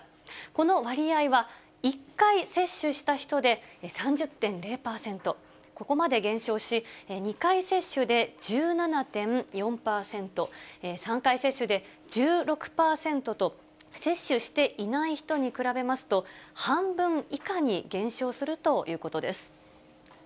この割合は１回接種した人で３０．０％、ここまで減少し、２回接種で１７．４％、３回接種で１６％と、接種していない人に比べますと、半分以下に減少するということです。